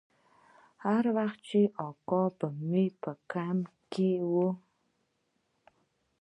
هر وخت چې اکا به مې په کمپ کښې و.